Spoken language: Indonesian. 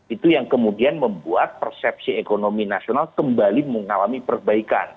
itu yang kemudian membuat persepsi ekonomi nasional kembali mengalami perbaikan